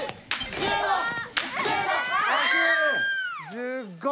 １５！